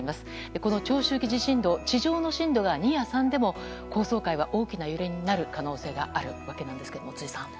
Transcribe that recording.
この長周期地震動地上の震度は２や３でも高層階は大きな揺れになる可能性があるということなんですが、辻さん。